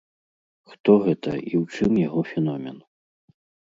Хто гэта і ў чым яго феномен?